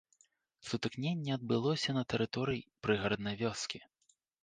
Сутыкненне адбылося на тэрыторыі прыгараднай вёскі.